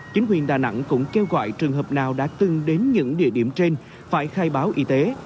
chính quyền đà nẵng cũng kêu gọi trường hợp nào đã từng đến những địa điểm trên phải khai báo y tế